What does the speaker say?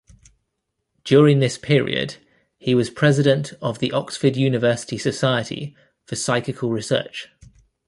During this period, he was president of the Oxford University Society for Psychical Research.